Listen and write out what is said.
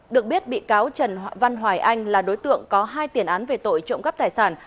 được biết bị cáo trần văn hoài anh là đối tượng có hai tiền án về tội trộm cắp tài sản